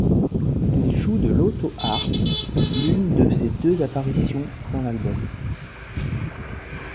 Il joue de l'autoharpe, l'une de ses deux apparitions dans l'album.